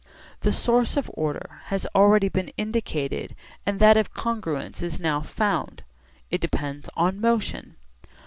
The source of order has already been indicated and that of congruence is now found. It depends on motion.